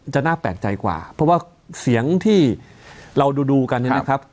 จะน่าแปลกใจกว่าเพราะว่าเสียงที่เราดูกันเนี่ยนะครับ